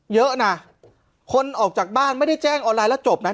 เยอะนะคนออกจากบ้านไม่ได้แจ้งออนไลน์แล้วจบนะ